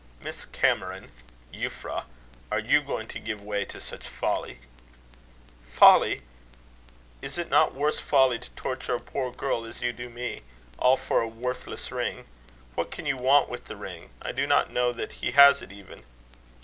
"Miss Cameron Euphra are you going to give way to such folly?" "Folly! Is it not worse folly to torture a poor girl as you do me all for a worthless ring? What can you want with the ring? I do not know that he has it even."